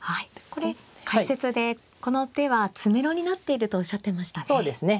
これ解説でこの手は詰めろになっているとおっしゃってましたね。